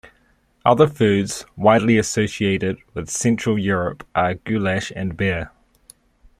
Other foods widely associated with Central Europe are goulash and beer.